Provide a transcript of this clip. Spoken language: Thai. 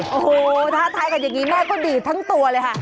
โอ้โหท้าทายกันอย่างนี้แม่ก็ดีดทั้งตัวเลยค่ะ